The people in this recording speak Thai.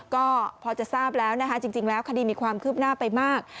ก็พอจะทราบแล้วนะคะจริงแล้วคดีมีความคืบหน้าไปมาก